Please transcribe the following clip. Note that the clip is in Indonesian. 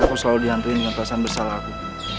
aku selalu diantriin dengan perasaan bersalah aku